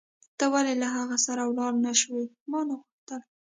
ته ولې له هغه سره ولاړ نه شوې؟ ما نه غوښتل.